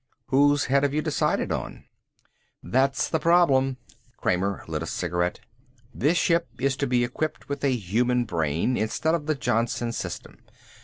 Whose head have you decided on?" "That's the problem." Kramer lit a cigarette. "This ship is to be equipped with a human brain instead of the Johnson system.